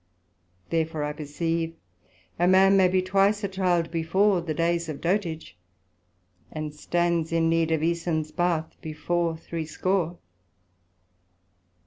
Therefore I perceive a man may be twice a Child before the days of dotage; and stands in need of Æsons Bath before threescore.